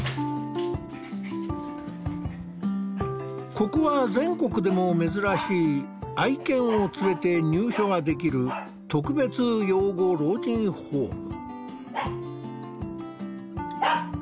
ここは全国でも珍しい愛犬を連れて入所ができる特別養護老人ホーム。